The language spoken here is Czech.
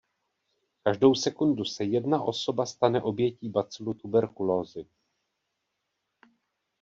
Každou sekundu se jedna osoba stane obětí bacilu tuberkulózy.